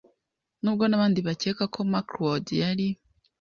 Nubwo nabandi bakekaga ko Macleod yari